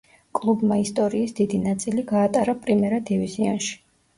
კლუბმა ისტორიის დიდი ნაწილი გაატარა პრიმერა დივიზიონში.